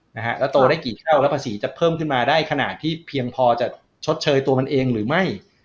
นะฮะแล้วโตได้กี่เท่าแล้วภาษีจะเพิ่มขึ้นมาได้ขนาดที่เพียงพอจะชดเชยตัวมันเองหรือไม่